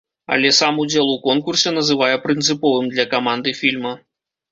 Але сам удзел у конкурсе называе прынцыповым для каманды фільма.